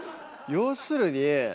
要するに。